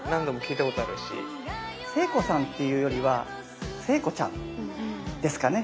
聖子さんっていうよりは聖子ちゃんですかね。